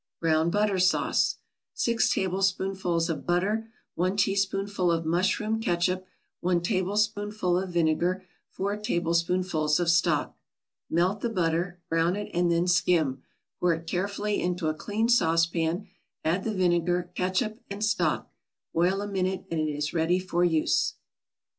BROWN BUTTER SAUCE 6 tablespoonfuls of butter 1 teaspoonful of mushroom catsup 1 tablespoonful of vinegar 4 tablespoonfuls of stock Melt the butter, brown it and then skim; pour it carefully into a clean saucepan, add the vinegar, catsup and stock, boil a minute, and it is ready for use.